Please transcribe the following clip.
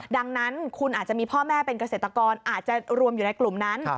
ดังนั้นคุณอาจจะมีพ่อแม่เป็นเกษตรกรอาจจะรวมอยู่ในกลุ่มนั้น